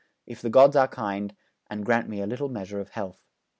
If the gods are kind and grant me a little measure of health.